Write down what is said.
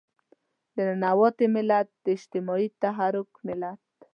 د ننواتې ملت، د اجتماعي تحرک ملت.